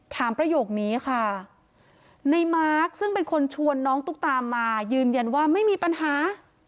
ประโยคนี้ค่ะในมาร์คซึ่งเป็นคนชวนน้องตุ๊กตามายืนยันว่าไม่มีปัญหา